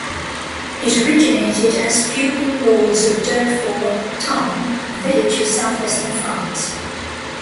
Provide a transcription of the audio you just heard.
It originated as feudal lords of Durfort, Tarn, a village of south-western France.